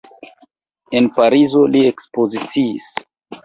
En Parizo li ekspoziciis.